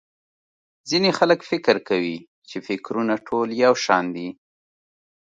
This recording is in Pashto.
ځينې خلک فکر کوي چې٫ فکرونه ټول يو شان دي.